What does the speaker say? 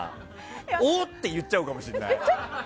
おっ！って言っちゃうかもしれない。